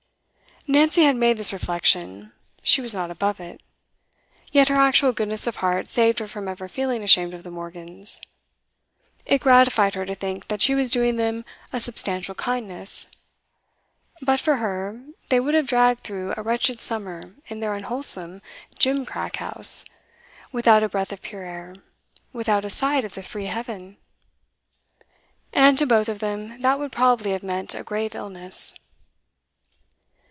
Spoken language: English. Nancy had made this reflection; she was not above it. Yet her actual goodness of heart saved her from ever feeling ashamed of the Morgans. It gratified her to think that she was doing them a substantial kindness; but for her, they would have dragged through a wretched summer in their unwholesome, jimcrack house, without a breath of pure air, without a sight of the free heaven. And to both of them that would probably have meant a grave illness.